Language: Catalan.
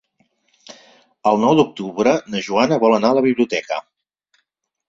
El nou d'octubre na Joana vol anar a la biblioteca.